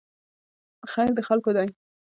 خیر د خلکو دی